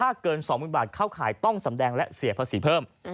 ถ้าเกิน๒๐๐๐บาทเข้าขายต้องสำแดงและเสียภาษีเพิ่ม